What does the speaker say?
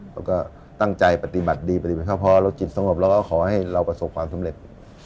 แล้วก็ตั้งใจปฏิบัติดีปฏิบัติเข้าพอเราจิตสงบเราก็ขอให้เราประสบความสำเร็จ